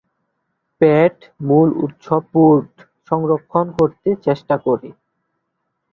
প্যাট মূল উৎস পোর্ট সংরক্ষন করতে চেষ্টা করে।